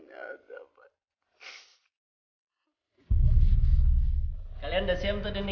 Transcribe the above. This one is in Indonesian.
ngapain sih ibu sini